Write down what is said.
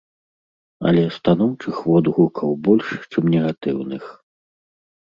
Але станоўчых водгукаў больш, чым негатыўных.